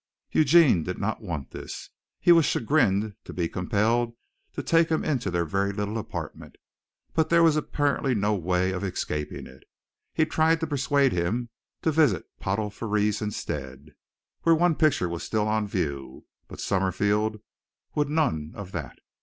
Eugene did not want this. He was chagrined to be compelled to take him into their very little apartment, but there was apparently no way of escaping it. He tried to persuade him to visit Pottle Frères instead, where one picture was still on view, but Summerfield would none of that.